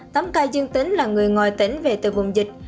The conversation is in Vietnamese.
tám ca dương tính là người ngoài tỉnh về từ vùng dịch